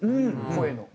声の。